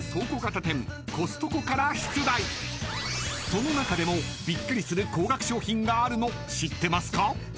［その中でもびっくりする高額商品があるの知ってますか？］